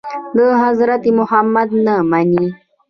د حضرت محمد نه مني.